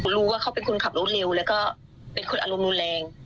รู้ว่าเขาเป็นคนขับรถเร็วแล้วก็เป็นคนอารมณ์รุนแรง